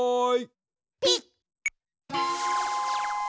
ピッ！